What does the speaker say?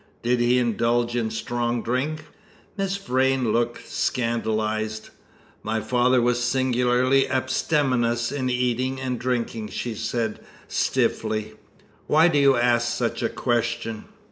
"Did he indulge in strong drink?" Miss Vrain looked scandalised. "My father was singularly abstemious in eating and drinking," she said stiffly. "Why do you ask such a question?"